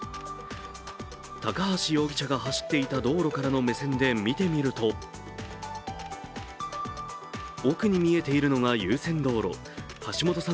高橋容疑者が走っていた道路からの目線で見てみると、奥に見えるのが優先道路、橋本さん